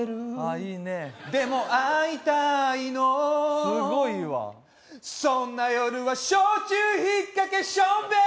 いいねでも会いたいのすごいいいわそんな夜は焼酎ひっかけションベン